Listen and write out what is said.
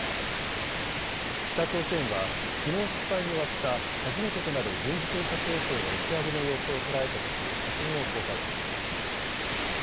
北朝鮮はきのう失敗に終わった初めてとなる軍事偵察衛星の打ち上げの様子を捉えたとする写真を公開しました。